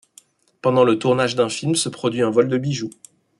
Pendant le tournage d'un film se produit un vol de bijoux.